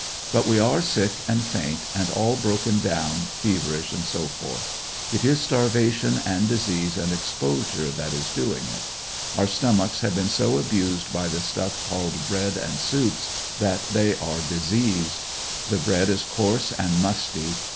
But we are sick and faint and all broken down, feverish &c. It is starvation and disease and exposure that is doing it Our stomachs have been so abused by the stuff called bread and soups, that they are diseased. The bread is coarse and musty.